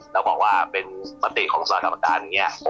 แล้วบอกว่าเป็นประติของสมาชิกกรรมการ